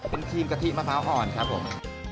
เป็นครีมกะทิมะพร้าวอ่อนครับผม